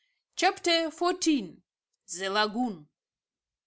CHAPTER FOURTEEN. THE LAGOON.